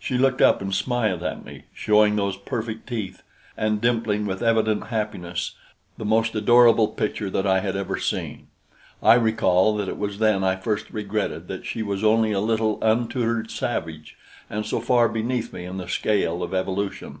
She looked up and smiled at me, showing those perfect teeth, and dimpling with evident happiness the most adorable picture that I had ever seen. I recall that it was then I first regretted that she was only a little untutored savage and so far beneath me in the scale of evolution.